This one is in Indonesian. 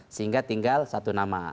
sehingga tinggal satu nama